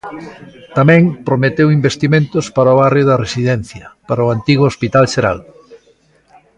Tamén prometeu investimentos para o barrio da Residencia, para o antigo Hospital Xeral.